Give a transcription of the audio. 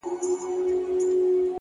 خپل ارزښت په کردار ثابتېږي!.